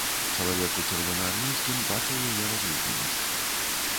Чалавек у чырвонаармейскім бачыў яе разгубленасць.